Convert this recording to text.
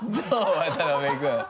渡辺君。